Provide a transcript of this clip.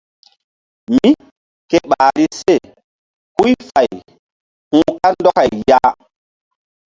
Mí ke ɓahri se huy fay hu̧h kandɔkay ya.